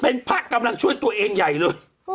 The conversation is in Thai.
เป็นพระกำลังช่วยตัวเองใหญ่เลย